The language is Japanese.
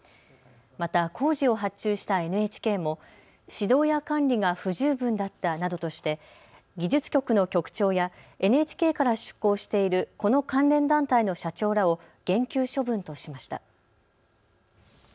また工事を発注したＮＨＫも指導や管理が不十分だったなどとして技術局の局長やＮＨＫから出向しているこの関連団体の社長らを減給処分としました。